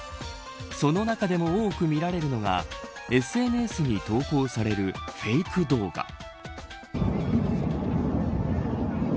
その中でも多く見られるのがＳＮＳに投稿されるフェイク動画。